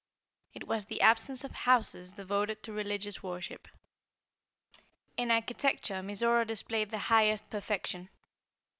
It was the absence of houses devoted to religious worship. In architecture Mizora displayed the highest perfection.